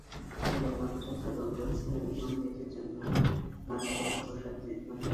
তিনি মুদ্রা চালু করেছিলেন এবং নিজের জন্য মানগ্রহ প্রাসাদ নির্মাণ করেছিলেন।